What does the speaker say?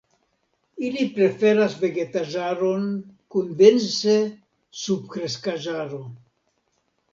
Ili preferas vegetaĵaron kun dense subkreskaĵaro.